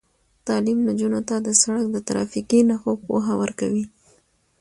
تعلیم نجونو ته د سړک د ترافیکي نښو پوهه ورکوي.